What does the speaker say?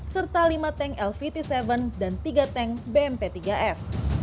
serta lima tank lvt tujuh dan tiga tank bmp tiga f